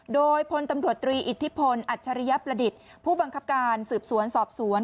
โดยพลตำรวจตรีอิทธิพลอัจฉริยประดิษฐ์ผู้บังคับการสืบสวนสอบสวน